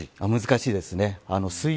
難しいですね。